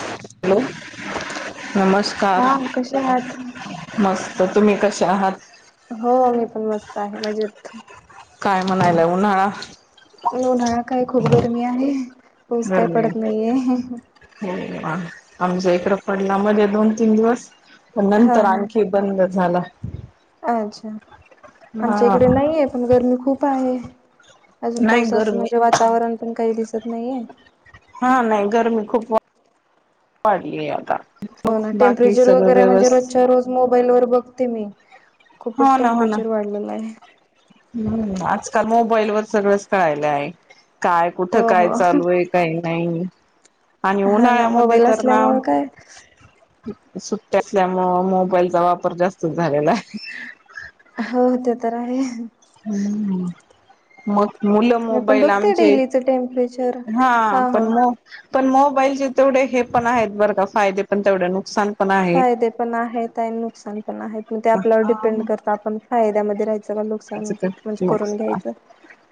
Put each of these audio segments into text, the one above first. Hello नमस्कार हा कसे आहात? मस्... तर तुम्ही कसे आहात... हो मी पण मस्त आहे मजेत... काय म्हणायला उन्हाळा... ल उन्हाळा काय खूप गरमी आहे पाऊस काय गरमी पडत नाहीये... आमचा इकडं पडला मध्ये दोन तीन दिवस पण हा नंतर हा. आणखी बंद झाला.. अच्छा आमच्या हा इकडे नाहीये. पण गरमी खूप आहे. अजून नाही पावसाचं गरमी म्हणजे वातावरण पण काही दिसत नाहीये. हा नाही गरमी खूप... वाढलीय आता... हो मग ना बाकी टेम्परेचर सगळं वगैरे म्हणजे व्यवस्थित रोजच्या रोज मोबाईल वर बघते मी... हो खूपच ना हो ना टेम्परेचर वाढलेलं आहे. हम्ज... काल मोबाईल वर सगळंच कळायला आहे काय कुठं हो काय हो. चालू आहे काय नाही. आणि हा ना उन्हाळ्यामध्ये मोबाईल तर ना... असल्यामुळे काय सुट्टया असल्यामुळ मोबाईलचा वापर जास्त झालेला आहे. हो ते तर आहे... हम्म म... मुलं मी पण मोबाईल बघते आमचे डेलीच टेम्परेचर हा पण मो... पण मोबाईलचे तेवढे हे पण आहेत बर का फायदे पण तेवढे नुकसान... पण आहे. फायदे पण आहेत आणि नुकसान पण आहेत मग ते आपल्यावर डिपेंड करतात आपण फायद्यामध्ये... राहायचं का नुकसान म्हणजे लोक करून घ्यायचं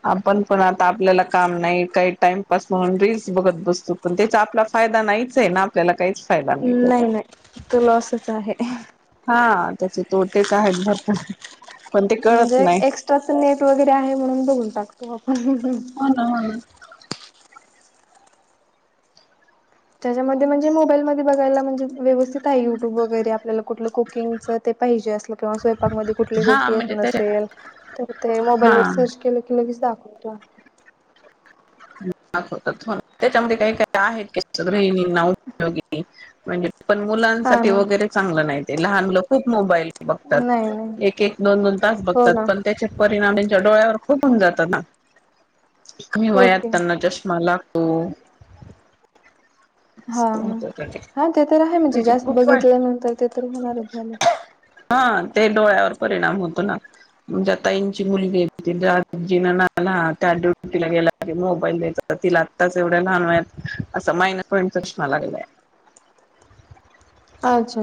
आपण... पण आता आपल्याला काम नाही काही टाइमपास म्हणून रीलस बघत बसतो पण त्याचा आपला फायदा नाहीच आहे... आपल्याला काहीच... फायदा त्याचा नाही नाही तो लॉसच आहे... हा त्याचे तोटच... बत... म्हणजे एक्स्ट्राच नेट वगैरे आहे म्हणून बघून टकतो आपण... हो ना हो ना त्याच्यामध्ये म्हणजे मोबाईलमध्ये बघायला म्हणजे व्यवस्थित आहे युट्यूब वगैरे आपल्याला कुठलं कुकिंगच... पाहिजे अस... स्वयपाक मध्ये कुठली हा गोष्टी येत म्हणजे त्याच्या नसेल तर ते हा मोबाईल वर सर्च केलं की लगेच दाखव... अच्छा... त त्याच्यामध्ये काही काही आहेत गृहिणींना उपयोगी म्हणजे... पण हा मुलांसाठी ना वगैरे चांगलं नाही लहान मुलं खूप मोबाईल बघतात नाही नाही एक एक दोन... हो बघतात ना पण त्याचे परिणाम त्यांच्या डोळ्यावर खूप होऊन जात ना... कमी वयात ओके त्यांना चष्मा लागतो... हा हा ते तर आहे म्हणजे त्याचे जास्त खूप वाईट बघितल्या नंतर ते तर होणारच झाले. [unintelligible] हा ते डोळ्यावर परिणाम होतो ना. म्हणजे ताईंची मुलगीजीं ना त्या ड्युटीला गेला. अरे मोबाईल द्याय तिला आत्ताच एवढ्या लहान वत असं मायनस पॉईंट सचना लागलाय. [unintelligible] अच्छा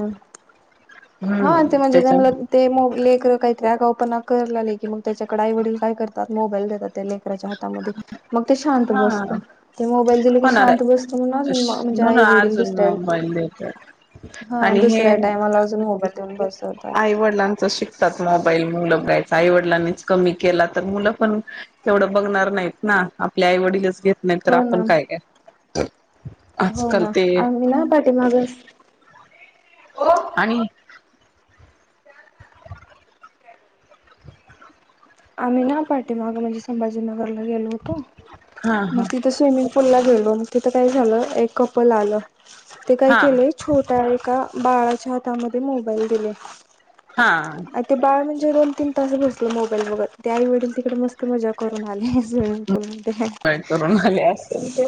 हा हम्म ते म्हणजे त्याच्या त्यां ते मग लेकर काहीतरी आगा ना करले की मग त्याच्याकडे आई वडील काय करतात मोबाईल देतात त्या लेकराच्या हातामध्ये. मग ते शांत हा बसत ते मोबाईल दिल की होणार आहे. शांत बसतो म्हणून अजून म्हणजे म्हणून आई वडील अजून दुसऱ्या. मोबाईल हा आणि हे. दुसऱ्या टायमाला अजून मोबाईल देऊन बसवतात. आईवडिलांच शिकतात मोबाईल मुलं ब्राईट. आईवडिलांनीच कमी केला तर मुलं पण तेवढं बघणार नाहीत ना आपल्या आईवडीलच घेत. नायतर हो आपण ना काय का. हो ना आणिी ना पाठी माग. आणि. आम्ही ना पाटे मागं माझे संभाजीना. ग हा म तिथ स्मंग पूल ला गेलो मग तिथ का झालंएक ते काय हा केलं छोट्या एका बाळा. हातामध्ये मोबाईल दिले हा हा आणि ते बाळ म्हणजे दोन तीन तास बसलं बगत ते आईवडील लतिकडे मस्त मजा करून आले. पूल मध्ये काय करून आले असेल ते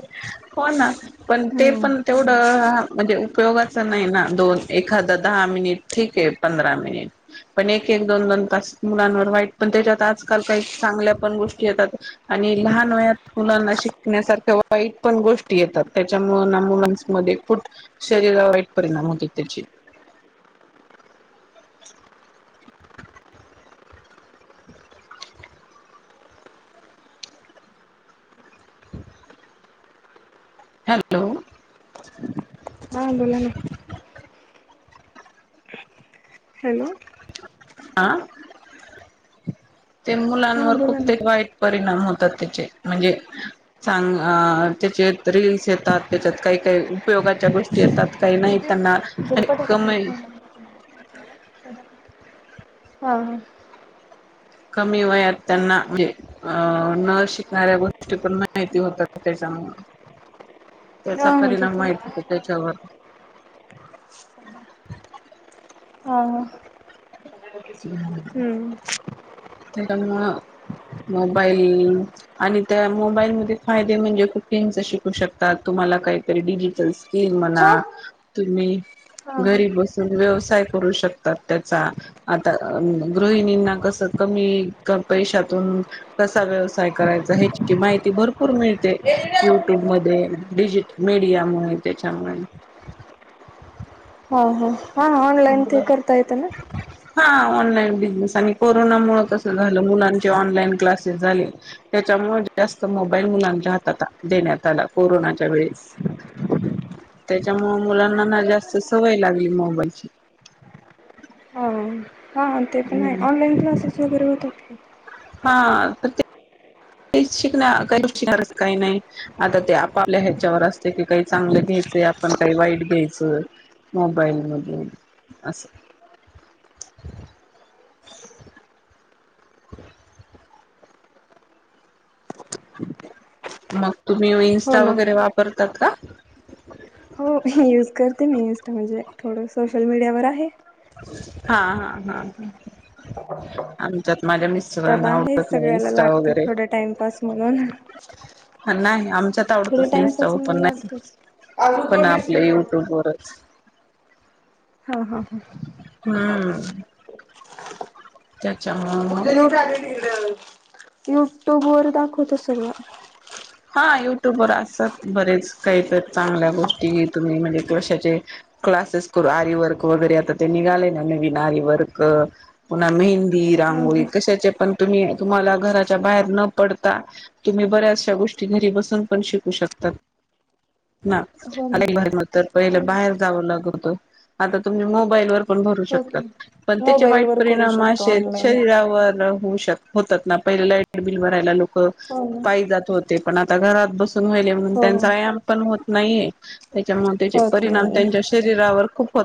हो ना. पण ते हो. पण तेवढं म्हणजे उपयोगाच नाही ना दोन. एखादा दहा मिनिट ठीके पंधरा मिनिट पण एक एक दोन दोन तास मुलांवरईट पण त्याच्यात आजकाल काही चांगल्या पण गोष्टी येतात. आणि लहान वयात मुलांना शिकण्यासारख्या वाईट पण गोष्टी येतात त्याच्या मुं मुलां ख वाईट परिणा होतो त्याची. [unintelligible] [unintelligible] [inaudible] हॅलो! हा बोला ना. हॅलो! हा ते हा मुलांवर बोला खूप ते ना वाईट परिणाम हा. म्हणजे त्या रील येतात त्याच्यात काही काही उपय गाच्या गोष्टी येतात. काही नाही त्यांना झपट आणि आपला कमी काम. हा कमी वयात त्यांना म्हणजे न शिकणाऱ्या गोष्टी पण माहिती होतात त्या. [unintelligible] हा होतो त्याच्यावर हा हम्म. आम मोबाईल आणि त्या मोबाईलमध्ये फायदे म्हणजे कुपंग शिकू शकतात तुम्हा. काहित [inaudible] डील छ. म्ह हा तुम्ही हा घरी बसून व्यवयसाय ू शकतात त्या आ गृहिणीना कस कमी पैशातून. कसा व्यवसाय करायचा ह्याची माहिती भरपूर मिळते युट्यूब मध्ये. डिजिट मीडियामुळे त्याच्यामुळे. ह ह हा ऑनलाईन ते करतायेत ना. हा ऑनलाईन बिझनेस आणि कोरोनामुळे कस झालं मुलांचे ऑनलाईन क्लासेस झाले त्या. मुळे जास्त मोबाईल मुलांच्या हात देण्यात आला कोरोनाच्या वेळेस. [unintelligible] त्याच्यामुळे मुलांना ना जास्त सवय लागली मोबाईलची. हां ते पण आहे ऑनलान्लासेस वगैरे होतात. [inaudible] हा तर ते [inaudible] शिक काही शिकच काही नाही आता ते आपापल्या ह्याच्यावर असते की काही चांगले ्याय आपण काही वाईट घ्यायचं मोबाईल म अस [inaudible] [inaudible] [inaudible] [inaudible] मग तुम्ही हो इन्स्टा ना. वगैरे वापरतात का हो यूज करते मी इस्ट म्हणजे थोडं सोशल मीडियावर आहे [inaudible] हा हा हा [inaudible] आच्या माझ्या त्यात मिस्टरांना आहे आवडत नाही सगळ्याला स्टा लागत वगैरे थोडं टाइमपास म्हणून [inaudible] नाही आमच त्याच्यात थोडं आवडतच नाही टाइमपास इं्स्टावर पण म्हणून नाही लागतच. अजून पण दोन आपले बिस्किट युट्यूबवरच [inaudible] हा हा हाा हम्म [inaudible] त्याच्यामुळे [inaudible] मग पूजेने उठ [inaudible] युट्यूब वर दाखवत सगळं [inaudible] हा युट्यूबवरर असतात बरेच काही तर चांगल्या गोष्टी तुम्ही म्हणजे क्वशाचे [inaudible] क्लासेस करू आरी वर्क वगैरे आता ते निघाले ना नवीन आरी वर्क पुन्हा मेन ी हा रांगोळी हा कशाचे पण तुम्ही तुम्हाला घराच्या बाहेर न पडता तुम्ही बऱ्याचशा गोष्टी िनरी बसून पण शिकू शकतात [inaudible] [inaudible] हो अ ना भर तर पहिलं बाहेर हो जावं लागत आता तुम्ही मोबाईलवर ण भरू की. शकतात पण त्याचे मोबाईल वाईट वर करू परिणाम अस शकतो ऑनलाईन. शरीरावर त ना पहि लाईट बिल भरायला लोक हो ना. पा जात होते पण आता घरात बस ण हो. त्यांचा वयाम पण होत नाहीये त्याच्यामुळे त्याचे होत परिणाम नाही. त्यांच्या शरीरावर खूप हो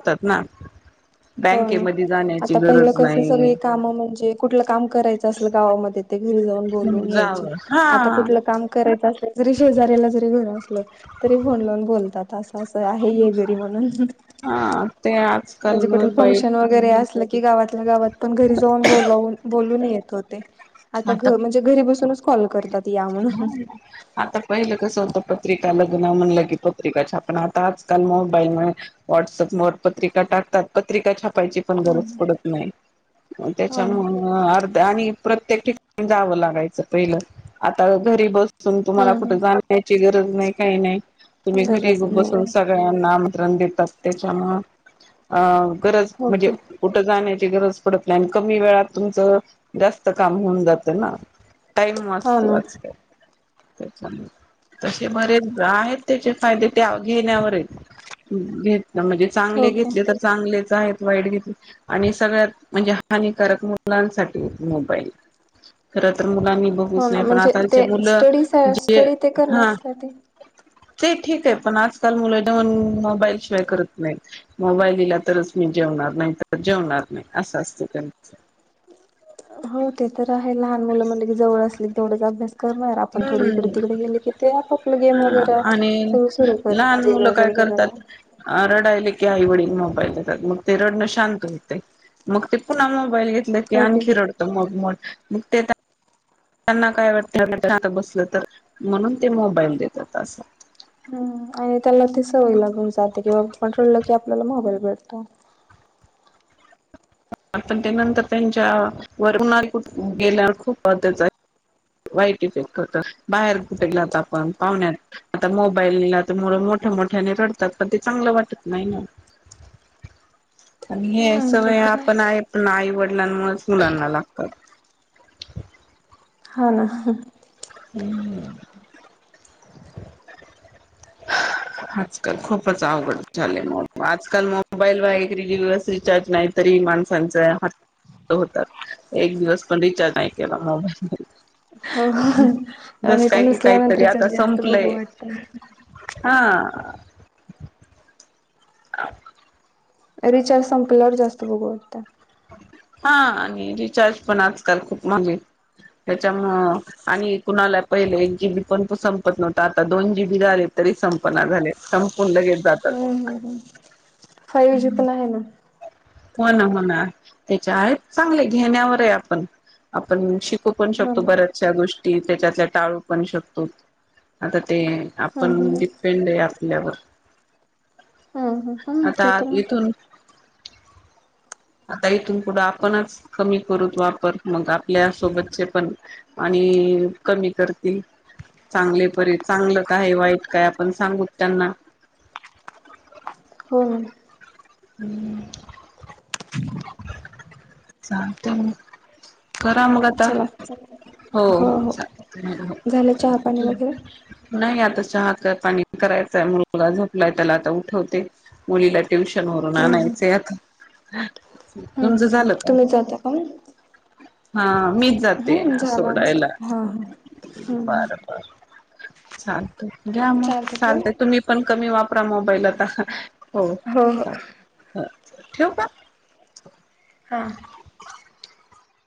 बे हो ना [inaudible] आता पहिलं कस सगळी काम म्हणजे कुठलं काम करायचं असलं गावामध्ये ते घरी जाऊन [inaudible] ब जावं हा आ कु काम करा शेजला जरी घल तरी फोन लावून बोलतात असं आहे आहे घरी म्हणून हा ते [inaudible] म्हणजे आजकाल कुठ मोबाईल फंक्शन वगैरे असलं की गावातल्या गावात पण घरी जाऊन बलावून बोलून येत होते आता घ म्हणजे घरी बसूनच कॉल करतात या म्हणून आता [inaudible] पहिलं कस होत पत्रिका लग क प्रिकाल मोईल वप प्रा टाकतात प्रिका पण गरज पडत नाही [inaudible] हो त्याच्या ना अर् आणि प्र प्र्येक ठिका जावं लागायचं पहिलं आता घरी बसून तुम्हाला हम्म कुठे जाण्याची गर नाही काही नाही [inaudible] तुम्ही हम् घरी गरज बसून नाही सगळ्यांना देतात त्याच्यामु [inaudible] अ गरज म्हणजे ओके कुठ जाण्या क व का हो जात [inaudible] टाईम हो मस्तो ना आजक [inaudible] [inaudible] त्या तसे बरेच आहेत त्याचे फायदे त्या घेण्यावरच [inaudible] घेतलं म्हणजे चांगले ओके घेतले तर चांगलेच आहेत वाईट घेतली आणि सगळ्यात म्हणजे हानिकारक मुलांसाठी [inaudible] खर मुलांनी बघच हो ना नाही पण म्हणजे आता त्या ते मुलं स्टडी जे स्टडी ते हा करण्यासाठी [inaudible] ते ठीक आहे पण आजकाल मुलं जाेऊन मोबाईलशिवाय करत नाहीत मोबाईल दिला तरच म्हणजे जेवणार नाही तर जेवणार नाही असं असत त्यांचं [inaudible] [inaudible] ह हो ते तर आहे लहान मुलं म्हणलं की जवळ असली तेवढाच अभ्यास करणार आपण थोडी इकडे हम्म तिकडे गेले की ते आप आप गेम हा वगैरे सगळ सुरु करणार वगैरे [inaudible] बघायला ातड आई वडील मोबाईल दातग ते रड शांत होते [inaudible] मग ते पुन्हा मोईल घ की ओके आणखी रडत मग म मग ते [inaudible] त्यांना काय वाटत बसलं तर म्हणून ते मोबाईल देतात असत. हम्म आणि त्याला ती सवय लागून जाते कि बा पण कळलं की आपल्याला मोबाईल भेटतो. पण त्यानंतर त्यांच्या वर उळ गेल्यावर खूप मदच आहे. वाईट इफेक्ट होत बाहेर कुठेलात आपण पाहण्यात आता मोबाईलला तर मु मोठ्या मोठ्याने रडतात पण ते चांगलं वाटत नाही ना. [inaudible] आणि हे ते सगळे तर आपण आहे प आईवड. डलांमुळेच मुलांना लागतात. हा ना. हम्म. आजकाल खूपच अवघड झाले आजकाल मोबाईल व एक रिस रिचार्ज नाही तरी माणसांचं. होत एक दिवस पण रिचार्ज नाही केला मोबाईल. हो जस आणि ते काय की नसल्यानंतर काहीतरी आता जास्त बघू संपलंय. वाटत हा. अ. रिचार्ज संपल्यावर जास्त बघू वाटतं. हा आणि रिचार्ज पण आजकाल खूप मगे त्याच्यामु आणि कुणाला पहिले एक जीबी पण तू संपत नव्हत आता दोन जीबी झाले. संपना झालंय संपून लगेच जात. फाईव जी पण आहे ना. हो ना हो ना त्याच्या आहेत चांगले घेण्यावर आहे आपण आपण शिक. पण हो शकतो ना. बऱ्याचशा गोष्टी त्याच्यातल्या टाळू पण शकतो आता ते हम्म आपण हम्म डिपेंड आहे आपल्यावर- हम हम. आता इथून. आता इथून पुढं आपणच कमी करूत वापर मग आपल्या सोबतचे पण आणि कमी करतील. चांगले परी चांगलं काय वाईट काय आपण सांगू त्यांना हो ना. हम्म. सांगते मग खरा मग आता चला हो हो झालं चहा पाणी वगैरे नाही आता हात पाणी करायचाय मुलगा झोपलाय त्याला आता उठवते. मुलीला ट्युशन वरून हम्म हम्म आणायचं आता हम्म तज हम्म झालं. का? तुम्ही जाता का? हा मीच जाते हम्म ना झालं आमचं सोडायला हा हा हम्म हम्म बर बर. चालत घ्या मग चालतंय चालतय ठेवू तुम्ही पण कमी वापरा मोबाईल आता हो ठीऊ का? ह.